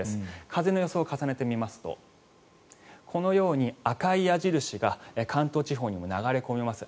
風の予想を重ねてみますとこのように赤い矢印が関東地方にも流れ込みます。